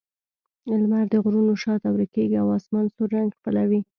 لمر د غرونو شا ته ورکېږي او آسمان سور رنګ خپلوي.